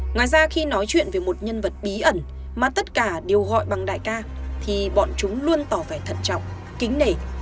ngoài ra khi nói chuyện về một nhân vật bí ẩn mà tất cả đều gọi bằng đại ca thì bọn chúng luôn tỏ vẻ thận trọng kính nể